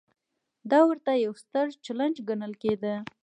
دا ورته یو ستر چلنج ګڼل کېده.